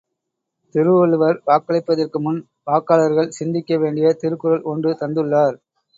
திருவள்ளுவர் வாக்களிப்பதற்கு முன் வாக்காளர்கள் சிந்திக்க வேண்டிய திருக்குறள் ஒன்று தந்துள்ளார்.